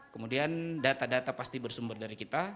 kemudian data data pasti bersumber dari kita